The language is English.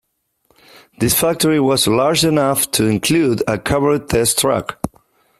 This factory was large enough to include a covered test track.